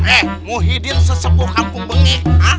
eh muhyiddin sesepu kampung benge